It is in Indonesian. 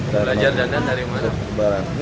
belajar dandan dari mana